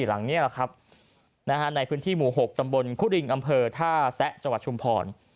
หลังนี้แหละครับในพื้นที่หมู่๖ตำบลคุริงอำเภอท่าแซะจังหวัดชุมพร